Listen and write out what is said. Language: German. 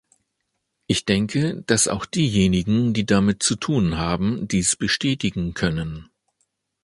Ich denke, dass auch diejenigen, die damit zu tun haben, dies bestätigen können.